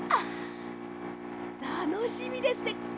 たのしみですね！